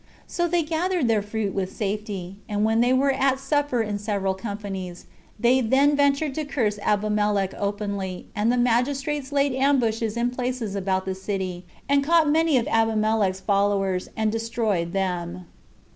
So they gathered their fruit with safety; and when they were at supper in several companies, they then ventured to curse Abimelech openly; and the magistrates laid ambushes in places about the city, and caught many of Abimelech's followers, and destroyed them.